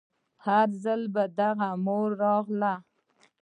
هر ځل به د هغه مور راغله.